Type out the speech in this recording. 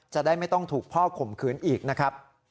จะได้ไม่ต้องถูกพ่อข่มขืนอีกนะครับ